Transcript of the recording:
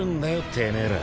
てめえら。